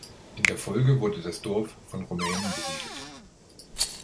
In der Folge wurde das Dorf von Rumänen besiedelt.